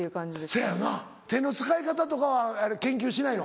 そやよな手の使い方とかは研究しないの？